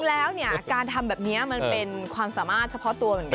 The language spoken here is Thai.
แล้วเนี่ยการทำแบบนี้มันเป็นความสามารถเฉพาะตัวเหมือนกัน